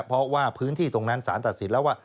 เพราะว่าพื้นที่ตรงนั้นสารตัดสินแล้วว่า